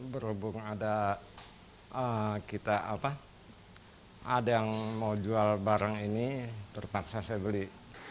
berhubung ada kita ada yang mau jual barang ini terpaksa saya beli